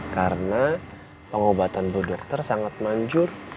karena pengobatan bu dokter sangat manjur